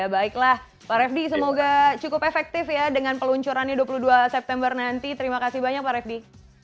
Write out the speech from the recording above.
baiklah pak refdy semoga cukup efektif ya dengan peluncurannya dua puluh dua september nanti terima kasih banyak pak refdy